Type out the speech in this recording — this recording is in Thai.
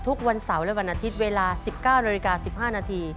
ทุกวันเสาร์และวันอาทิตย์เวลา๑๙น๑๕น